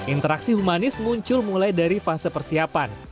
interaksi humanis muncul mulai dari fase persiapan